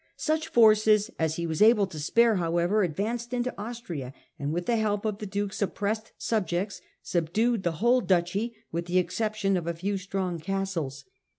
Such forces as he was able to spare, however, advanced into Austria and, with the help of the Duke's oppressed subjects, subdued the whole Duchy, with the exception of a few strong castles.